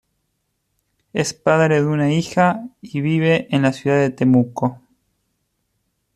Es padre de una hija y vive en la ciudad de Temuco.